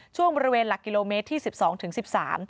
ช่วงบริเวณหลักกิโลเมตรที่๑๒๑๓ตำบลวงน้ำเขียวสิมา